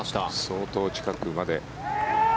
相当近くまで。